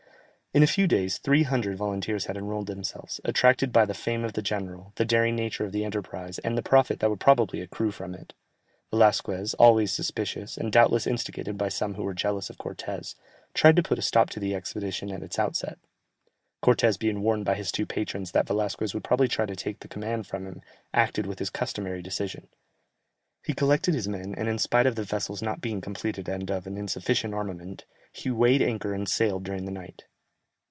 In a few days 300 volunteers had enrolled themselves, attracted by the fame of the general, the daring nature of the enterprise, and the profit that would probably accrue from it. Velasquez, always suspicious, and doubtless instigated by some who were jealous of Cortès, tried to put a stop to the expedition at its outset. Cortès being warned by his two patrons that Velasquez would probably try to take the command from him, acted with his customary decision; he collected his men and, in spite of the vessels not being completed and of an insufficient armament, he weighed anchor and sailed during the night.